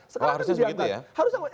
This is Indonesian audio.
sekarang harusnya begitu ya